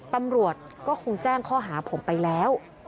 ตำรวจก็คงแจ้งข้อหาผมไปแล้ว